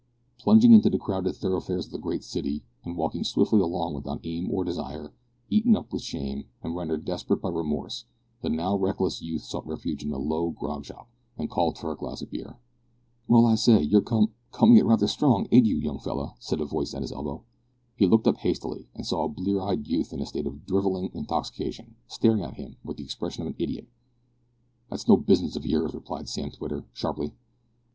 Plunging into the crowded thoroughfares of the great city, and walking swiftly along without aim or desire, eaten up with shame, and rendered desperate by remorse, the now reckless youth sought refuge in a low grog shop, and called for a glass of beer. "Well, I say, you're com comin' it raither strong, ain't you, young feller?" said a voice at his elbow. He looked up hastily, and saw a blear eyed youth in a state of drivelling intoxication, staring at him with the expression of an idiot. "That's no business of yours," replied Sam Twitter, sharply.